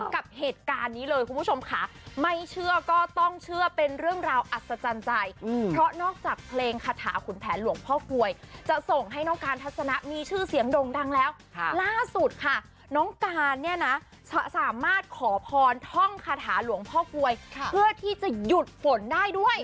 กับเหตุการณ์นี้เลยคุณผู้ชมค่ะไม่เชื่อก็ต้องเชื่อเป็นเรื่องราวอัศจรรย์ใจเพราะนอกจากเพลงคาถาขุนแผนหลวงพ่อกลวยจะส่งให้น้องการทัศนะมีชื่อเสียงด่งดังแล้วล่าสุดค่ะน้องการเนี่ยนะสามารถขอพรท่องคาถาหลวงพ่อกลวยเพื่อที่จะหยุดฝนได้ด้วย